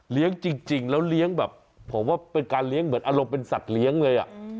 จริงแล้วเลี้ยงแบบผมว่าเป็นการเลี้ยงเหมือนอารมณ์เป็นสัตว์เลี้ยงเลย